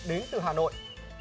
đến từ hà nội